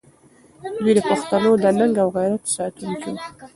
دوی د پښتنو د ننګ او غیرت ساتونکي وو.